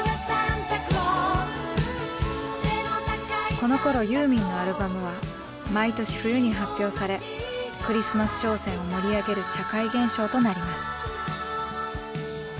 このころユーミンのアルバムは毎年冬に発表されクリスマス商戦を盛り上げる社会現象となります。